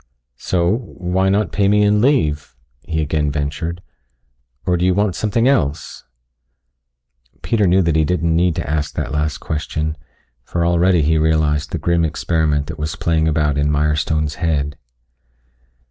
"So, why not pay me and leave?" he again ventured. "Or do you want something else?" Peter knew that he didn't need to ask that last question, for already he realized the grim experiment that was playing about in Mirestone's head.